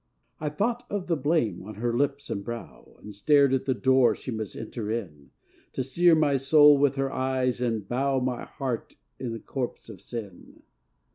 I thought of the blame on her lips and brow; And stared at the door she must enter in To sear my soul with her eyes and bow My heart by the corpse of Sin.